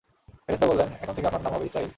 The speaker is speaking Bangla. ফেরেশতা বললেন, এখন থেকে আপনার নাম হবে ইসরাঈল।